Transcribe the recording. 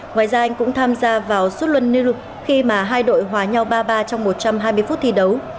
ngoài ra anh cũng tham gia vào suốt luân new york khi mà hai đội hòa nhau ba ba trong một trăm hai mươi phút thi đấu